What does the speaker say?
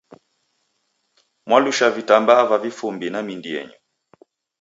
Mwalusha vitambaa va vifumbi na mindi yenyu.